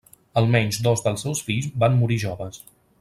Almenys dos dels seus fills van morir joves.